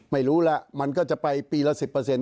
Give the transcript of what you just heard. ไม่รู้ล่ะมันก็จะไปปีละ๑๐เปอร์เซ็นต์